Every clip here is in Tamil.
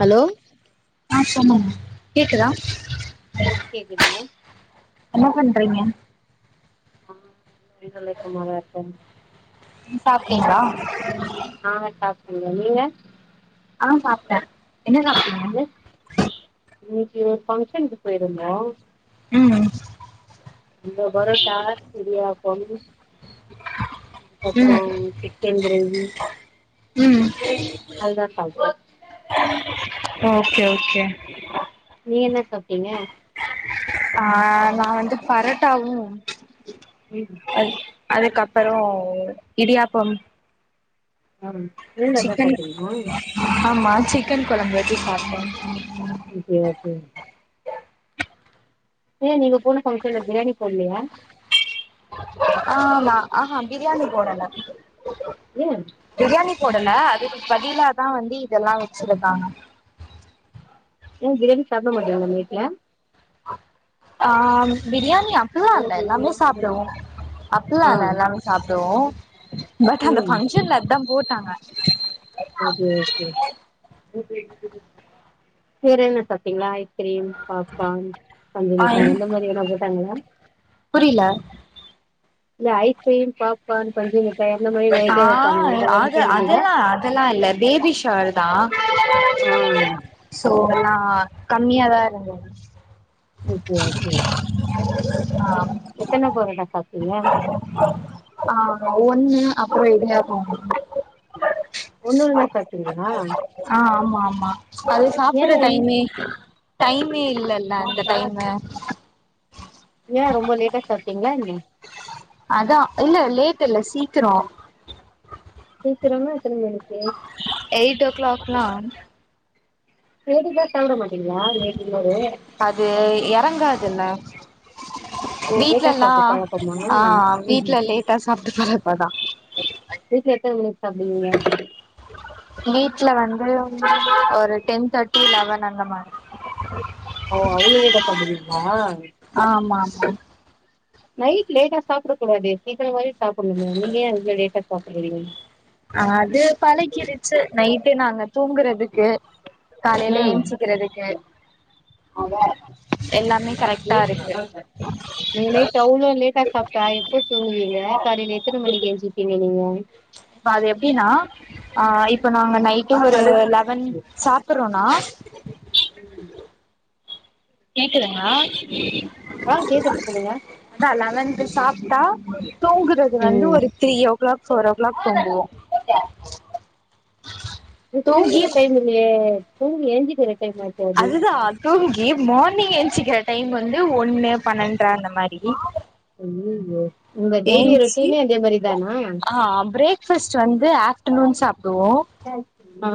ஹலோ ஆ சொல்லுங்க கேக்குதா கேக்குதுங்க என்ன பண்றீங்க நா வீட்டுல சும்மாதா இருக்கங்க நீ சாப்டீங்ளா நாங்க சாப்ட்டங்க நீங்க ஆ சாப்ட்ட என்ன சாப்ட்டிங் என்ன இன்னைக்கு ஒரு ஃபங்ஷனுக்கு போயிருந்தோ ம் அங்க பரோட்டா, இடியாப்பம், அப்பறோ ம் சிக்கன் கிரேவி ம் அதுதா சாப்ட்டோ ஓகே ஓகே நீ என்ன சாப்பிட்டீங்க ஆ, நா வந்து பரோட்டாவு ம் அது அதுக்கப்பறோ இடியாப்பம் ம், நீங்களு அதா சிக்கன் சாப்டீங்ளா ஆமா சிக்கன் கொழம்பு வச்சு சாப்ட்டே ஓகே ஓகே ஏ நீங்க போன ஃபங்க்ஷன்ல பிரியாணி போட்லயா ஆமா ஆஹ பிரியாணி போடல ஏன் பிரியாணி போடல அதுக்கு பதிலாதா வந்து இதெல்லா வச்சிருந்தாங்க ஏ பிரியாணி சாப்ட மாட்டீங்களா நைட்ல ஆ பிரியாணி அப் ப்டிலா இல்ல எல்லாமே சாப்டுவோ அப்டிலா ஆ இல்ல எல்லாமே சாப்டுவோ பட் அந்த ம் ஃபங்க்ஷன்ல அதா போட்டாங்க ஓகே ஓகே வேற என்ன சாப்ட்டீங்ளா ஐஸ்கிரீம், பாப்கார்ன் பஞ்சுமிட்டாய் அந்த மாரி எதா போட்டாங்ளா புரில இல்ல ஐஸ்கிரீம், பாப்கார்ன், பஞ்சு மிட் ஆ அது இருந்ததா அதெல்லா அதெல்லா இல்ல பேபி ஷெவர்தா ஆ சோ ஆனா கம்மியாதா இருந்து ஓகே ஓகே, ஆ எத் எத்தன பரோட்டா சாப்ட்டீங்க ஆ ஒன்னு அப்பறோ இடியாப்பம் ஒன்னு ஒன்னு ஒன்னுதா சாப்டீங்ளா ஆ, ஆமா ஆமா அது சாப்புட்ற ஒன் டைமே டைமே இல்லல்ல அந்த டைமு ஏ ரொம்ப லேட்டா சாப்டீங்களா என்ன அதா இல்ல லேட் இல்ல சீக்கிரோ சீக்கிரமா எத்தன மணிக்கு எயிட் ஓக் கிளாக்லா வேடிச்சா சாப்ட மாட்டீங்ளா [unintelligible] அது எறங்காதுல ஓ லேட்டா வீட்லல்லா சாப்ட்ற பழக்கமா ஆ வீட்ல லேட்டா சாப்ட்டு [unintelligible] வீட்ல எத்தன மணிக் சாப்டுவீங்க வீட்ல வந்து ஒரு டென் தேர்ட்டி லெவன் அந்த மாரி [inaudible] ஓ அவுங்க கிட்ட தொந்துவீங்ளா ஆமா மா நைட் லேட்டா சாப்டக் கூடாதே சீக்கிரமாவே சாப்புன்மே நீங்க ஏ இவ்ளோ லேட்டா சாப்பிர்றீங்க அது பழகிருச்சு நைட்டு நாங்க தூங்கறத் ருக்கு காலைல ம் ஏன்ச்சிக்கிறதுக்கு எல்லாமே கரெக்ட்டா இருக்கு நீங்கமே டவுன்ல லேட்டா சாப்டா எப்போ தூங்குவீங்க காலைல எத்தன மணிக்கு எஞ்சிப்பீங்க நீங்க இப்ப அது எப்டினா அ இப்ப நாங்க நைட்டு ஒரு லெவன் சாப்பர்றோனா [inaudible] கேக்குதுங்ளா ஆ கேக்குது சொல்லுங்க தா லெவன்கு சாப்டா தூங்குறது வந்து ம் ஒரு three o'clock four o'clock தூங்குவோ இது தூங்குற தூங்கி டைம் இல்லியே தூங்கி ஏஞ்சிகிற டைமாச் அதுதா தூங்கி மார்னிங் என்ச்சிகிற டைம் வந்து ஒன்னு பன்னெண்ர அந்த மாரி ஐயியோ உங்க டெய்லி ஏஞ்சி ரொட்டீனே அதே மாரி தானா ஆ பிரேக் ஃபஸ்ட்டு வந்து ஆஃப்டநூன் சாப்டுவோ ஆ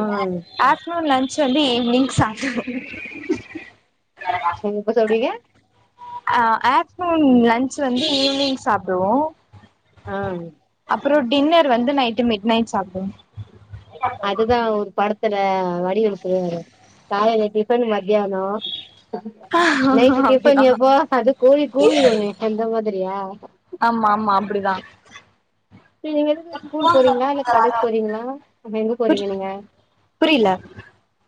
ஆஃப்டநூன் லஞ்ச்சு வந்து ஈவ்னிங் சாப்டுவோ எப்ப சாப்டுவிங்க அ ஆஃப்ட்நூன் லஞ்ச்சு வந்து ஈவி்னிங் சாப்டுவோ ஆ அப்றோ டின்னர் வந்து நைட்டு மிட் நைட் சாப்டுவோ அதுதா ஒரு படத்தல வடிவேலு சொல்லுவாரே காலைல டிஃபன் மத்யானோ நைட்டு அப்டிதா டிஃபன் யபோ அது கோழிக் கூவிடுமே அந்த மாதிரியா ஆம்ம அம்ம அப்டிதா சே நீங்க எதுகு ஸ்கூல் போறீங்ளா இல்லக் காலேஜ் போறீங்ளா அப்ப எங்க புரி போறீங்க நீங்க புரில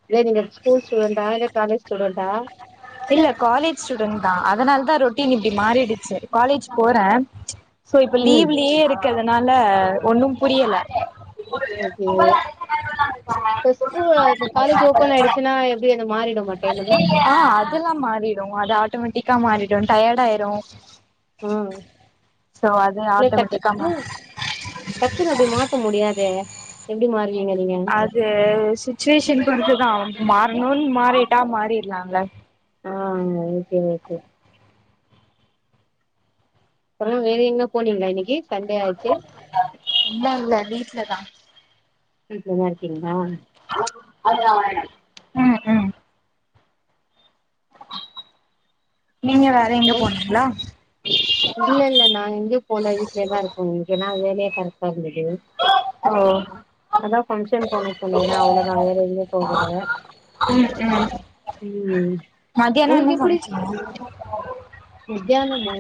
இல்ல நீங்க ஸ்கூல் ஸ்டுடெண்டா இல்ல காலேஜ் ஸ்டுடெண்டா இல்ல காலேஜ் ஸ்டுடெண்ட்தா அதனால்தா ரொட்டீன் இப்டி மாறிடுச்சு காலேஜ் போறே சோ இப்ப ம் லீவ்லியே இருக்கதனால ஒன்னும் புரியல ஓகே இப்ப ஸ்கூ இப்போ காலேஜ் ஓபன் ஆய்டுச்சுனா எப்டி அது மாறிடுமா டைம் எல்லா எல்லாம் மாறிடு அது ஆட்டோமேட்டிக்கா மாறிடு டயடாயிரு ஆ சோ அது இல்ல ஆட்டோமேட்டிக்காமா டக்கு டக்குன்னு அப்டி மாத்த முடியாதே எப்டி மாறுவீங்க நீங்க அது சுச்சுவேஷன் பொருத்துதா அவ மாறணுனு மாறிட்டா மாறிட்லால ஆ ஓகே ஓகே அப்றோ வேற எங்க போனீங்ளா இன்னைக்கு சண்டே ஆச்சே இல்ல இல்ல வீட்லதா வீட்ல தா இருக்கிங்ளா ம் ம் நீங்க வேற எங்க அப்றோ போனீங்களா இல்ல இல்ல நான் எங்கேயு போல வீட்லே தா இருக்கோ இங்க நா வேலையே கரெக்டா இருந்தது ஆ அதா ஃபங்க்ஷன் போணு சொன்னல்ல அவ்ளோதா வேற எங்கயு போகல ம் ம் ம் ம் மத்தியானோ என்ன உங்ளுக்கு எப்புடி சமச்சீங்க மத்தியானமோ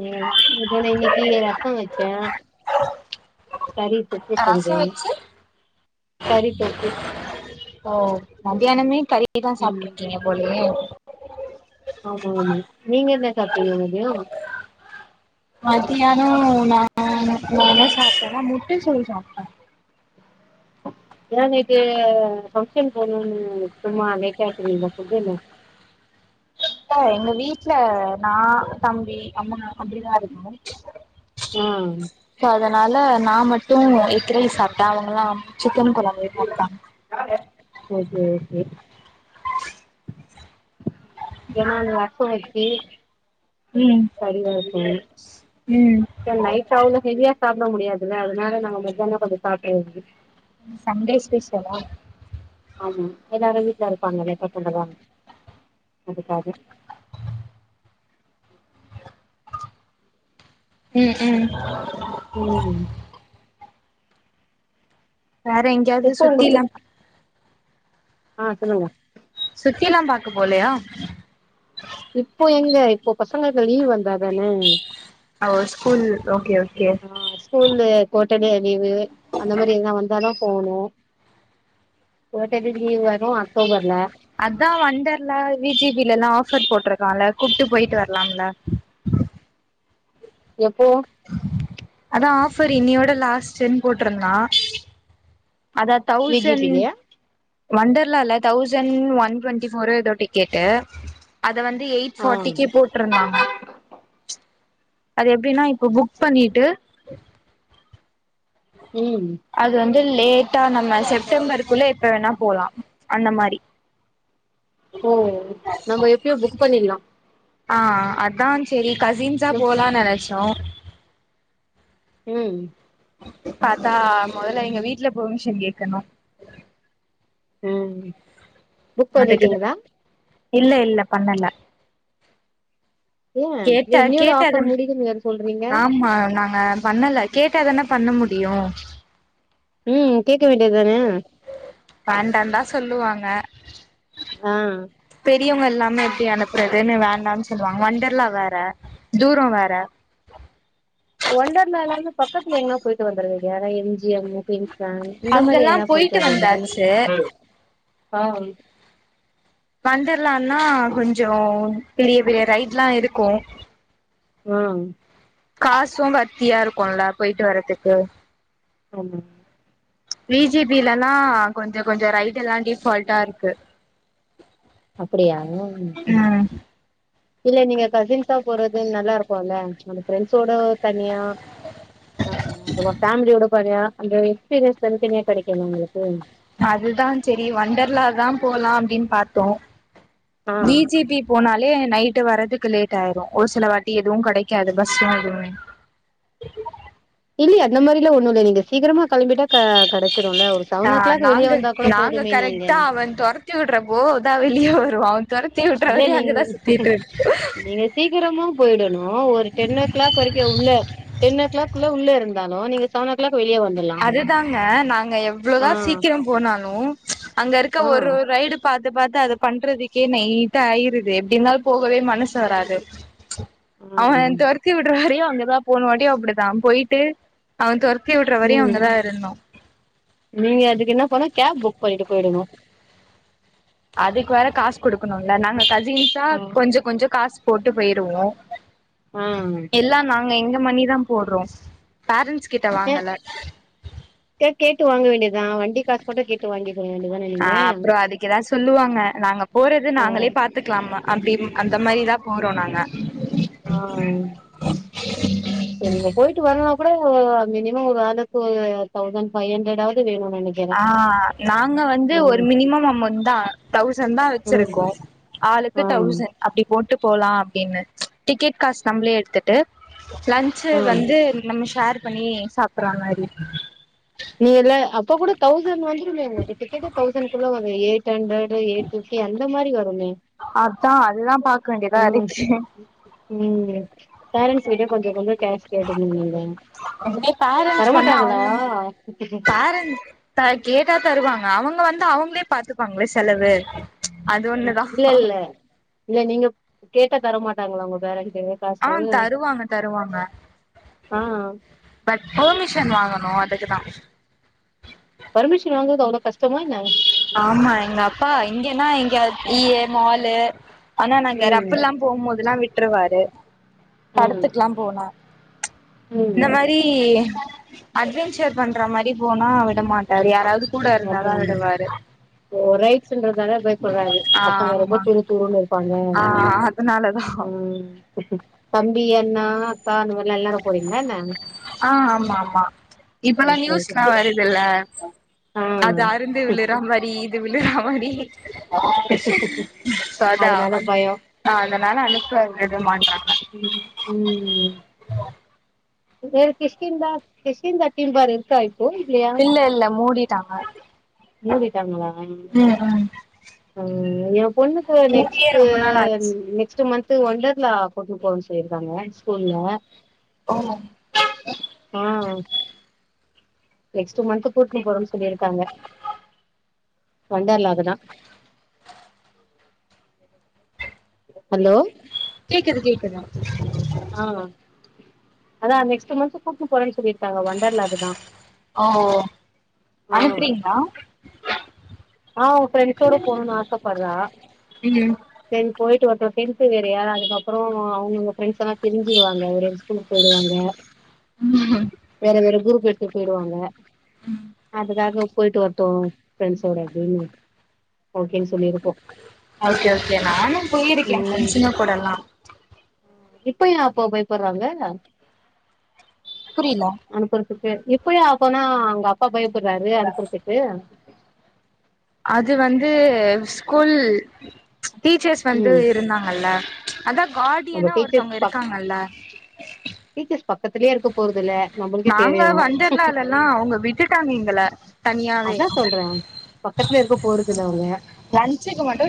மத்தியான இன்னைக்கி ரசோ வெச்சே கறி தொக்கு ரசோ செஞ்சே வச்சு கறி தொக்கு ஓ மத்தியானமே கறிதா ம் சாப்ட்டுருக்கீங்க போலயே ஆமா ஆமா நீங்க என்ன சாப்ட்டிங்க மதியோ மத்தியானோ நா நா என்ன சாப்டனா முட்ட சோறு சாப்டே ஏ நேத்து பங்கஷன்க்கு போனுன்னு சும்மா லேட்டா எத்துகுனிங்க ஃபுட்டுனு க்கா எங்க வீட்ல நா தம்பி அம்மா அப்டிதா இருக்கோ ஆ சோ அதனால நா மட்டு எக் ரைஸ் சாப்ட்ட அவுங்கல்லா சிக்கன் குழம்ப சாப்ட்டாங்க ஓகே ஓகே முக்கியமா அந்த ரசோ வெச்சி ம் கறி வதக்குனே ம் நைட்டு அவ்ளோ ஹெவியா சாப்ட முடியாதுல்ல அதுனால நாங்க மத்தியானோ கொஞ்சோ சாப்ட்றது சண்டே ஸ்பெஷலா ஆமா எல்லாரு வீட்ல இருப்பாங்கலே அக்கா பொண்ணுங்க அதுக்காக ம் ம் ம் வேற எங்கயாவது எப்போ உங்களுக்கு சுத்திலா ஆ சொல்லுங்க சுத்திலா பாக்க போலயா இப்போ எங்க இப்போ பசங்களுக்கு லீவ் வந்தா தானே அவ ஸ்கூல் ஓகே ஓகே ஆ ஸ்கூல்லு கோட்டலி லீவு அந்த மாதிரி எதுனா வந்தா தா போனு கோட்டலி லீவ் வரு அக்டோபர்ல அதா வண்டர்லா வி ஜி பில எல்லா ஆஃபர் போட்டிருக்கான்ல கூப்ட்டு போயிட்டு வரலாம்ல எப்போ அதா ஆஃபர் இன்னையோட லாஸ்டுன்னு போட்ருந்தா அதா வி ஜி பி தௌசண்ட் லயா வண்டர்லால தௌசண்ட் ஒன் டுவெண்டி ஃபோர் எதோ டிக்கெட்டு அத வந்து எயிட் ஆ ஃபார்ட்டிக்கு போ ட்ருந்தாங்க அது எப்படின்னா இப்ப புக் பண்ணிட்டு ம் அது வந்து லேட்டா நம்ம செப்டம்பருக்குள்ள எப்ப வேணா போலா அந்த மாதிரி ஓ நம்ம எப்பயும் புக் பண்ணிடலா ஆ அதா சரி கசின்ஸா ம் போலானு நெனச்சோ ம் பத்தா முதல்ல எங்க வீட்டு்ல பெர்மிஷன் கேட்கணு ம் புக் அதுக்குதா பண்ணிட்டீங்களா இல்ல இல்ல பண்ணல ஏ கேட்ட இல்ல இன்னையோட கேட்ட ஆஃபர் தான முடியுதுன்னு வேற சொல்றீங்க ஆமா நாங்க பண்ணல கேட்டதான பண்ண முடியு ம் கேட்க வேண்டியதுதானே வேண்ட தா சொல்லுவாங்க ஆ பெரியவங்க எல்லாமே எப்படி அனுப்புறதுன்னு வேண்டாம்ன்னு சொல்லுவாங்க வண்டர்லா வேற தூர வேற ஒண்டர்லாலயிருந்து பக்கத்துல எங்கனா போயிட்டு வந்துருவே ஏனா எம் ஜி எம் இந்த மாதிரி அங்கெல்லா ஏனா போயிட்டு வர வேண்டிதான வந்தாச்சு ஆ வன்டர்லானா கொஞ்ச பெரிய பெரிய ரைட்லா இருக்கு ஆ காசும் பத்தியா இருக்கும்ல போயிட்டு வர்ரதுக்கு ஆமா வி ஜி பிலல்லா கொஞ்ச கொஞ்ச ரைட் எல்லா டிஃபால்டா இருக்கு அப்படியா உ ம் இல்ல நீங்க கசின்ஸா போறது நல்லா இருக்குல நம்ம ஃப்ரெண்ட்ஸ்ஷோட தனியா ஆ அது பேமிலியோட போரியா அந்த எக்ஸ்பீரீயன்ஸ் தனிதனியா கிடைக்கு உங்களுக்கு அதுதான் சரி வண்டர்லாதா போலா அப்படின்னு பாபார்த்தோ ஆ வி ஜி பி போனாலே நைட்டு வர்றதுக்கு லேட் ஆயிரு ஒரு சில வண்டி எதுவு கிடைக்காது பஸ்ஸும் எதுவுமே இல்லைய அந்த மாதிரிலா ஒண்ண இல்ல நீங்க சீக்கிரமா கிளம்பிட்டா கிடைச் ஆ நாங்க நாங்க போதுமே நீங்க கரெக்டா அவன் தொர் த்தி விட்டுறப்போ தான் வெளியே வரும் அவன் தொரதி விட்டுற இல்ல வரையு நீங் அங்கதா சுத்திட்டு நீங்க சீக்கிரமா போயிடணு ஒரு டென் ஓ கிளாக் வரைக்கு உள்ள டென் ஓ கிளாக் குள்ள உள்ள இருந்தாலு நீங்க செவன்னோ கிளாக் வெளிய வந்துர்லா அதுதாங்க நாங்க ஆ எவ்வளோதா சீக்கிரம் போனாலு அங்க இருக்க ஆ ஒரு ரைடு பாத்து பாத்து அத பண்றதுக்கே நைடா ஆயிருது எப்படினாலு போகவே மனசு வராது ச் ஆ அவன் துறத்தி விடுற வறயு அங்கதா போனு போன வாட்டியு அப்படிதா போயிட்டு அவன் துரத்தி விடுற ம் அவங்தா இருந்தோ நீங்க அதுக்கு என்ன பன்னம் கேப் புக் பண்ணிட்டு போயிடனு அதுக்கு வேற காசு கொடுக்கணும்ல நாங்க கசின்ஸா ஆ கொஞ்ச கொஞ்ச காசு போட்டு போயிருவோ ம் இல்ல நாங்க எங்க மணிதா போடுறோ பேரன்ஸ் கிட்ட ஏ வாங்கல கேட்டு வாங்க வேண்டியதுதா வண்டி காசு போட்டு கேட்டு வாங்கி கொள்ள வேண்டியதானே ஆ அப்புறம் அதுக்கு ஏதாவது சொல்லுவாங்க நாங்க போறத ஆ நாங்களே பாத் துக்கலாமா அப்படி அந்த மாதிரிதா போறோ நாங்க ஆ நீங்க போயிட்டு வரனனா கூட மினிமம் ஒரு ஆளுக்கு ஒரு தௌசண்ட் ஃபைவ் ஹண்ட்ரடாவது வேணும் ஆ நாங்க வந்து ஒரு மினிமம் அமௌண்ட் தான் தௌசண்ட் தான் ம் வச்சிருக்கோம் ஆளுக்கு ஆ தௌசண்ட் அப்டி போட்டு போலாம் அப்படின்னு டிக்கெட் காசு நம்மளே எடுத்துட்டு லன்ச் சச்சு ஆ வந்து நம்ம ஷர் பண்ணி சாப்பற மாதிரி நீ எல்ல அப்ப கூட தௌசண்ட் வந்துருமே உங்களுக்கு டிக்கெட்டே தௌசண்ட்குள்ள வரும் எயிட் ஹண்ட்ரடு எய் ப்பிப்டி அந்த மாதிரி வரும்மே அதான் அதுதான் பாக்க வேண்டியதான் இருக்கு ம் பேரண்ட்ஸ் கிட்ட கொஞ்ஜோம் கொஞ்ஜோம் கேஷ் கேட்டு வேண்டியதா இதே தரமாட்டாங்களா ப்பேரண்ஸ் கேட்டா தருவாங்க அவுங்க வந்து அவுங்களே பாத்துப்பாங்கள செலவு அது ம் ஒண்ணுதா இல்ல இல்ல இல்ல நீங்க கேட்டா தரமாட்டாங்களா உங்க பேரண்ட்டு காசு ஆன் தருவாங்க தருவாங்க ஆ ஆ பட் பெர்மிஷன் வாங்கணோம் அதுக்கு தான் பர்மிஷன் வாங்கறது அவ்ளோ கஷ்டமா என்ன ஆமா எங்க அப்பா இங்கன்னா எங்கயாது ஈ எ மாலு ஆனா நாங்கறா ம் அப்ப எல்லாம் போமோதுல்லாம் விட்ருவாரு ம் படத்துக்குல்லாம் போனா ம் இந்த மாரி சி அட்வென்சர் பண்ற மாரி போனா விட மாட் டாரு வேற யாராவது கூட இருந்தாதான் விடுவாரு இப்போ ரைட்ஸ்னுறது டவுட் வராது ஆ மத்தவங்க ரொம்ப துரு துருன்னு இருப்பாங்க னாலதான் ம் தம்பி அண்ணா சாத்தறம் எல்லாம் விளையாட போறீங்களா என்ன ஆ ஆமா ஆமா இப்பல்லாம் ஓகே நியூஸ் ஓகே எல்லாம் வருதுல்ல ஆ அது அருந்து விழுற மாரி இது விளற மாரி சோ அதா அதனால பயோம் ஆ அதனால அனுப்புவது மாட்டேன்றாங்க ம் ம் ஆஹ வேற கிஷ்கிந்தா கிஷ்கிந்தா திம்பர் இருப்பாரு போயிலயா இல்ல இல்ல மூடிட்டாங்க மூடிட்டாங்களா ம் ம் ம் என் பொண்ணுக்கு மூடியே நெக்ஸ்ட்டு ரொம்ப நாள் ஆச்சு நெக்ஸ்ட் மந்த் த்து ஒண்டர்லா கூட்டுன்னு போரன் சொல்லிறுங்காக ஸ்கூல்ல ஆ ஆ நெக்ஸ்ட் மன்த் கூட்டுனு போறன்னு சொல்லிருக்காங்க வண்டர்லாகுதுதான் ஹலோ கேக்குது கேக்குதா ஆ அதான் நெக்ஸ்ட் மன்த் கூட்டுனு போறன்னு சொல்லிருக்காங்க வண்டர்லாகுதுதான் ஓ அனுப்புறீங்களா ஆ அவ ஃப்ரெண்ட்ஸோட போனுனு ஆசப்பட்றா ம் சேரி போயிட்டு வரடோம் டென்த்து வேறயா அதுக்கப்புறோம் அவுங்க ஃப்ரெஸ் எல்லாம் பிரிஞ்சிடுவாங்க வேற ஸ்கூலுக்கு போயிடுவாங்க ம் வேற வேற குரூப் எடுதுட்டு போயிடுவாங்க அதுக்காக போயிட்டு வர்டோ செரி அப்டின்னு ஓகேன் சொல்லி இருக்கோ ஓகே ஓகே நானு போயிருக்கே ம் ஃப்ரெண்ட்ஸ்ஸுங்க கூட எல்லா இப்ப ஏ அப்போ பயப்பற்றாங்க புரில அனுப்புறத்துக்கு இப்பயே அப்பனா உங்க அப்பா பயப்புற்றாரு அனுப்பற்த்துக்கு அது வந்து ஸ்கூல் டீச்சர்ஸ் வந்து ம் இருந்தாங்கல்ல அதா நம்ம கார்டியனா டீச்சர்ஸ் ஒருத்தவங்க பக் இருக்காங்கல்ல டீச்சர்ஸ் பக்கத்துலேயே இருக்க போறதில்ல நம்புளுக்கே நாங்க தெரியு ங்கள அதா சொல்ற பக்கத்துல இருக்க போறதுல்ல அவுங்க லஞ்சுக்கு மட்டு